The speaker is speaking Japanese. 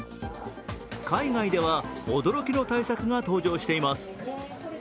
海外では驚きの対策が登場しています。